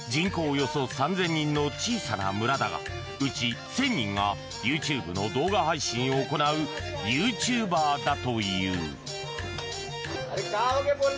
およそ３０００人の小さな村だがうち１０００人がＹｏｕＴｕｂｅの動画配信を行うユーチューバーだという。